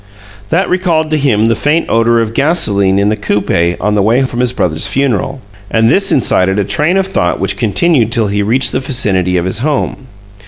That recalled to him the faint odor of gasolene in the coupe on the way from his brother's funeral, and this incited a train of thought which continued till he reached the vicinity of his home.